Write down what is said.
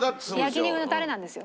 焼肉のタレなんですよ。